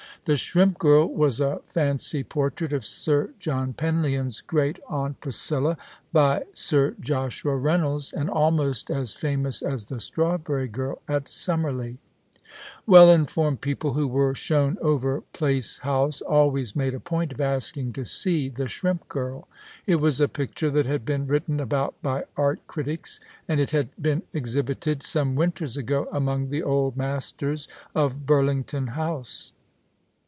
The Shrimp Girl was a fancy portrait of Sir John Penlyon's great aunt Priscilla, by Sir Joshua Keynolds, and almost as famous as the Strawberry Girl at Sum merley. The Chrlstmas Hirelings. 185 Well informed people who were s1io\\ti over Place House always made a point of asking to see the Shrimp Girl. It was a picture that had been written about by art critics, and it had been exhibited some winters ago among the old masters at Burlington House.